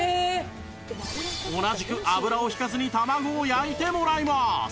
同じく油を引かずに卵を焼いてもらいます